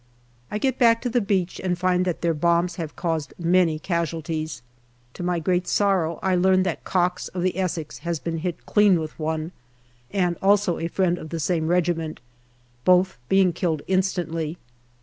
I get back to the beach and find that their bombs have caused many casualties. To my great sorrow I learn that Cox, of the Essex, has been hit clean with one, and also a friend of the same regiment, both being killed instantly.